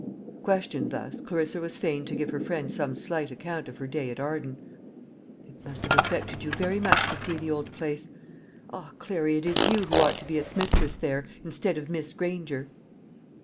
Questioned thus, Clarissa was fain to give her friend some slight account of her day at Arden. "It must have affected you very much to see the old place. Ah, Clary, it is you who ought to be mistress there, instead of Miss Granger!"